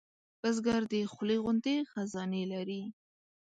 بزګر د خولې غوندې خزانې لري